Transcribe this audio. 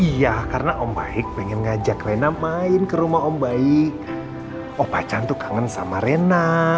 iya karena om baik pengen ngajak rena main ke rumah om baik oh pacan tuh kangen sama rena